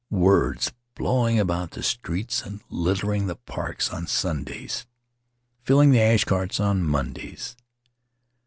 Words, blowing about the streets and littering the parks on Sundays; filling the ash carts on Mondays.